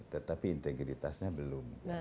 tetapi integritasnya belum